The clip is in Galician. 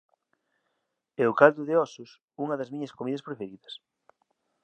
E o caldo de ósos unha das miñas comidas preferidas.